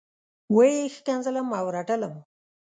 وه یې ښکنځلم او رټلم.